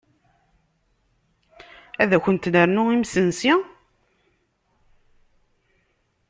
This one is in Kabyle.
Ad kunt-nernu imesnsi?